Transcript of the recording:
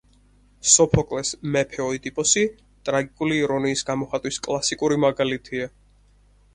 სოფოკლეს „მეფე ოიდიპოსი“ ტრაგიკული ირონიის გამოხატვის კლასიკური მაგალითია.